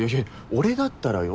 俺だったらよ？